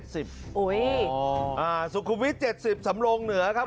อ๋อสุสุคุมวิทย์๗๐สำโลงเหนือครับ